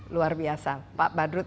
luar biasa pak badrut